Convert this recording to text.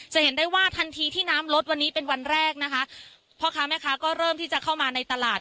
เห็นได้ว่าทันทีที่น้ำลดวันนี้เป็นวันแรกนะคะพ่อค้าแม่ค้าก็เริ่มที่จะเข้ามาในตลาด